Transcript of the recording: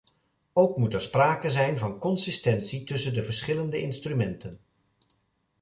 Ook moet er sprake zijn van consistentie tussen de verschillende instrumenten.